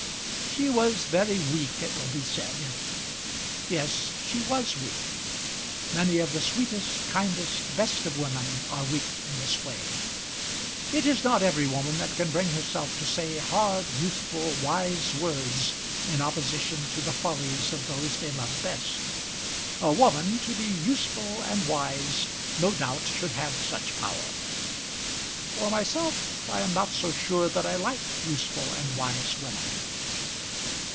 She was very weak, it will be said. Yes, she was weak. Many of the sweetest, kindest, best of women are weak in this way. It is not every woman that can bring herself to say hard, useful, wise words in opposition to the follies of those they love best. A woman to be useful and wise no doubt should have such power. For myself I am not so sure that I like useful and wise women.